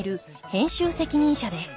編集責任者です。